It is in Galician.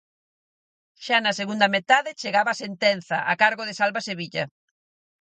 Xa na segunda metade chegaba a sentenza, a cargo de Salva Sevilla.